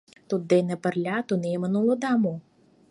— Туддене пырля тунемын улыда мо?